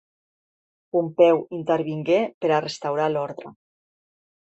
Pompeu intervingué per a restaurar l’ordre.